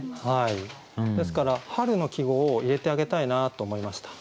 ですから春の季語を入れてあげたいなと思いました。